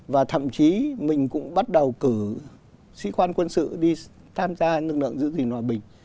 và thậm chí mình cũng bắt đầu cử sĩ quan quân sự đi tham gia lực lượng giữ gìn hòa bình